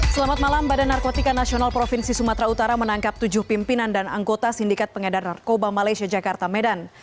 selamat malam badan narkotika nasional provinsi sumatera utara menangkap tujuh pimpinan dan anggota sindikat pengedar narkoba malaysia jakarta medan